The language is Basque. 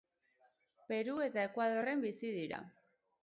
Peru eta Ekuadorren bizi dira.